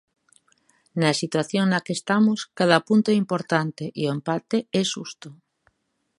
Na situación na que estamos cada punto é importante e o empate é xusto.